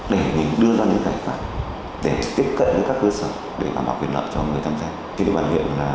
để mình đưa ra những cải phản để tiếp cận với các cơ sở để đảm bảo quyền lợi cho người tham gia